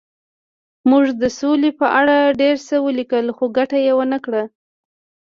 موږ د سولې په اړه ډېر څه ولیکل خو ګټه یې ونه کړه